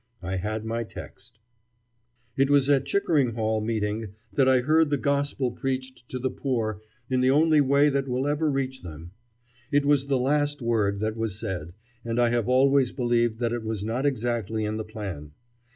I had my text. It was at that Chickering Hall meeting that I heard the gospel preached to the poor in the only way that will ever reach them. It was the last word that was said, and I have always believed that it was not exactly in the plan.